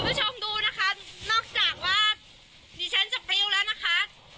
คุณผู้ชมดูนะคะนอกจากว่าดิฉันจะปริ้วแล้วนะคะ